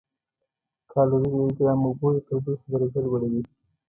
کالوري د یو ګرام اوبو د تودوخې درجه لوړوي.